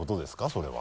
それは。